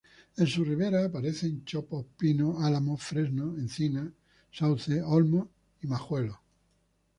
En sus riberas aparecen chopos, pinos, álamos, fresnos, encinas, sauces, olmos y majuelos.